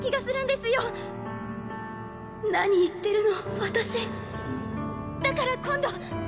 何言ってるの私だから今度！